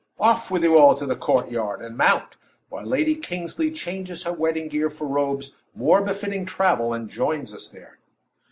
Off with you all to the courtyard, and mount, while Lady Kingsley changes her wedding gear for robes more befitting travel, and joins us there."